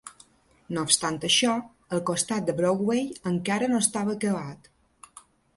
No obstant això, el costat de Broadway encara no estava acabat.